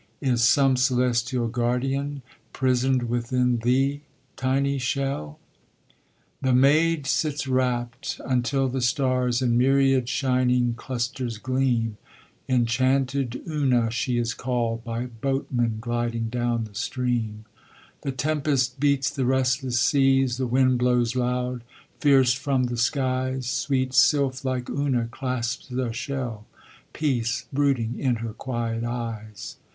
Is some celestial guardian Prisoned within thee, tiny shell? [Illustration: The Enchanted Shell] The maid sits rapt until the stars In myriad shining clusters gleam; "Enchanted Una," she is called By boatmen gliding down the stream. The tempest beats the restless seas, The wind blows loud, fierce from the skies; Sweet, sylph like Una clasps the shell, Peace brooding in her quiet eyes.